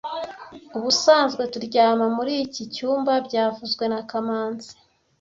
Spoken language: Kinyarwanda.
Ubusanzwe turyama muri iki cyumba byavuzwe na kamanzi